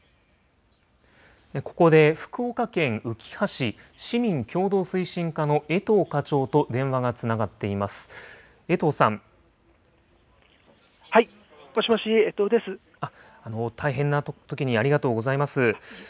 ここで福岡県うきは市市民協働推進課の江藤課長と電話がつなはい、もしもし、大変なときにありがとうございます。